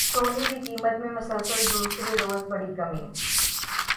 سونے کی قیمت میں مسلسل دوسرے روز بڑی کمی